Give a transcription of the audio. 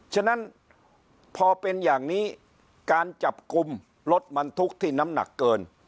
ฉะนั้นพอเป็นอย่างนี้การจับกลุ่มรถบรรทุกที่น้ำหนักเกิน